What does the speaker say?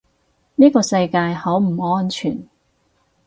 呢個世界好唔安全